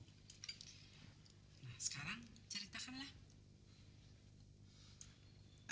nah sekarang ceritakanlah